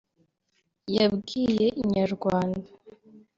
yabwiye Inyarwanda